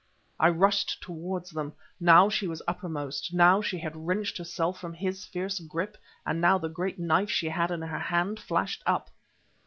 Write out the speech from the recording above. I rushed towards them. Now she was uppermost, now she had wrenched herself from his fierce grip, and now the great knife she had in her hand flashed up.